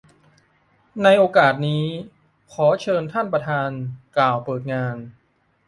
ในโอกาสนี้ ขอเรียนเชิญท่านประธานกล่าวเปิดงาน